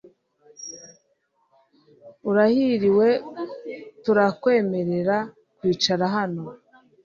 Urahiriwe turakwemerera kwicara hano .